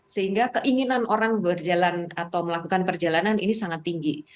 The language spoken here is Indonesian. sehingga keinginan orang berjalan atau melakukan perjalanan ini sangat tinggi